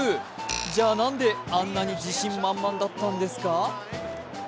じゃあなんであんなに自信満々だったんですか？